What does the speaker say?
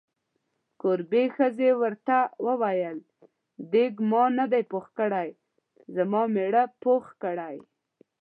کوربې ښځې ورته وویل: دیګ ما نه دی پوخ کړی، زما میړه پوخ کړی.